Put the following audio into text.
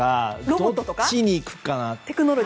どっちにいくか。